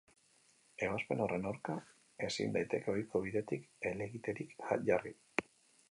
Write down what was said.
Ebazpen horren aurka ezin daiteke ohiko bidetik helegiterik jarri.